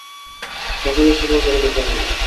জাকারিয়া শোবার ঘরে ঢুকে পড়লেন।